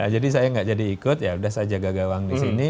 jadi saya nggak jadi ikut ya udah saya jaga gawang di sini